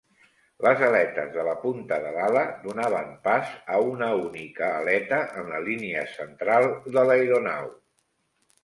Les aletes de la punta de l'ala donaven pas a una única aleta en la línia central de l'aeronau.